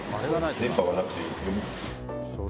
電波がなくて。